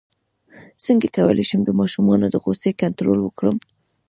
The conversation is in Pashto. څنګه کولی شم د ماشومانو د غوسې کنټرول وکړم